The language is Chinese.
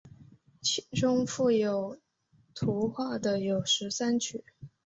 其中附有图画的有十三曲。